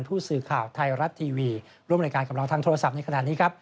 ผู้สื่อข่าวไทยรัฐทีวีร่วมรายการกับเราทางโทรศัพท์ในขณะนี้ครับ